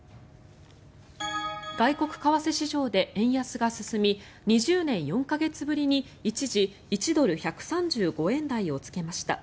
外国為替市場で円安が進み２０年４か月ぶりに一時、１ドル＝１３５円台をつけました。